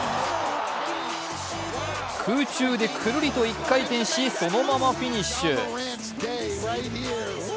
空中でクルリと１回転し、そのままフィニッシュ。